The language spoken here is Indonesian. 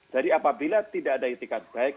jadi apabila tidak ada itikat baik